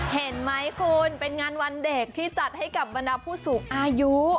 เห็นไหมคุณเป็นงานวันเด็กที่จัดให้กับบรรดาผู้สูงอายุ